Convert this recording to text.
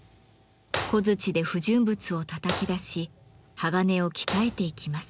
小づちで不純物をたたき出し鋼を鍛えていきます。